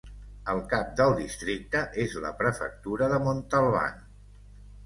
El cap del districte és la prefectura de Montalban.